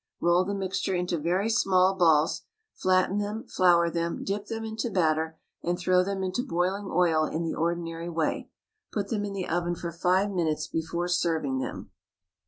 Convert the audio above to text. Roll the mixture into very small balls, flatten them, flour them, dip them into batter, and throw them into boiling oil in the ordinary way. Put them in the oven for five minutes before serving them.